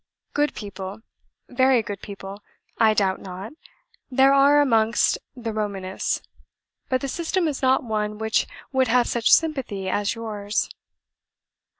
Good people VERY good people I doubt not, there are amongst the Romanists, but the system is not one which would have such sympathy as YOURS.